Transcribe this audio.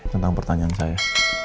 tentang pertanyaan saya